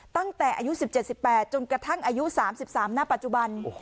ตั้งแต่อายุ๑๗๑๘จนกระทั่งอายุ๓๓ณปัจจุบัน